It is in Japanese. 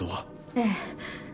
ええ。